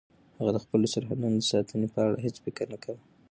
هغه د خپلو سرحدونو د ساتنې په اړه هیڅ فکر نه کاوه.